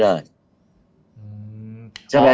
ไม่ได้